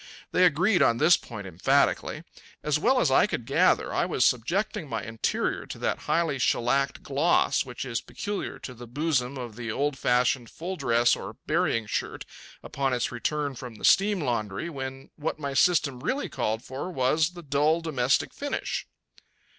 They agreed on this point emphatically. As well as I could gather, I was subjecting my interior to that highly shellacked gloss which is peculiar to the bosom of the old fashioned full dress or burying shirt upon its return from the steam laundry, when what my system really called for was the dull domestic finish.